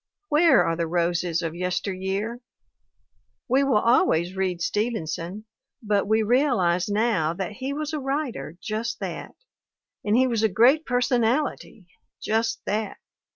Where are the roses of yester year? We will always read Stevenson, but we realize now that he was a writer just that. And he was a great personality just that.